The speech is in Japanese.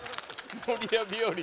守谷日和